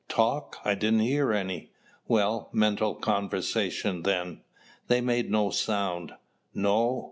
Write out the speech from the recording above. "Talk? I didn't hear any." "Well, mental conversation then. They made no sound." "No.